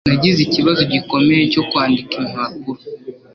Nagize ikibazo gikomeye cyo kwandika impapuro.